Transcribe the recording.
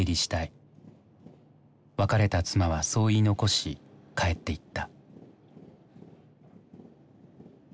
別れた妻はそう言い残し帰っていった。